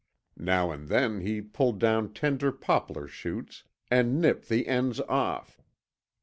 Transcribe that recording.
Now and then he pulled down tender poplar shoots and nipped the ends off.